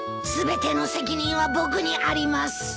全ての責任は僕にあります。